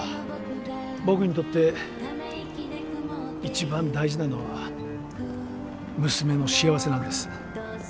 僕にとって一番大事なのは娘の幸せなんです。